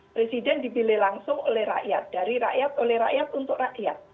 presiden dipilih langsung oleh rakyat dari rakyat oleh rakyat untuk rakyat